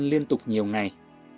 cà ăn liên tục nhiều ngày